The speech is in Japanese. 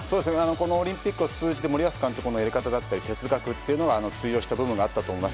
このオリンピックを通じて森保監督のやり方だったり決断というのは通用したところがあると思います。